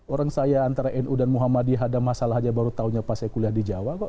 orang saya antara nu dan muhammadiyah ada masalah saja baru tahunya pas saya kuliah di jawa kok